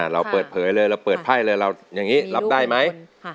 เราเปิดเผยเลยเราเปิดไพ่เลยเราอย่างนี้รับได้ไหม